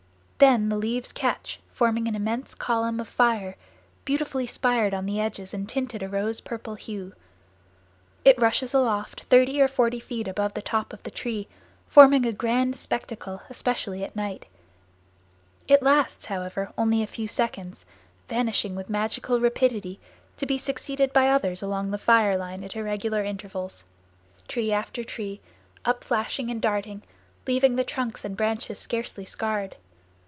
Then the leaves catch forming an immense column of fire, beautifully spired on the edges and tinted a rose purple hue. It rushes aloft thirty or forty feet above the top of the tree, forming a grand spectacle, especially at night. It lasts, however, only a few seconds, vanishing with magical rapidity, to be succeeded by others along the fire line at irregular intervals, tree after tree, upflashing and darting, leaving the trunks and branches scarcely scarred.